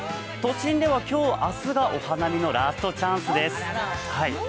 都心では今日、明日がお花見のラストチャンスです。